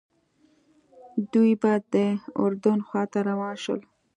دوی به د اردن خواته روان شول.